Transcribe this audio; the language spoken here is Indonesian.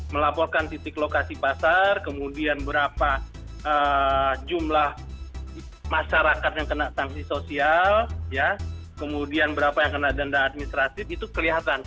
melaporkan titik lokasi pasar kemudian berapa jumlah masyarakat yang kena sanksi sosial kemudian berapa yang kena denda administrasi itu kelihatan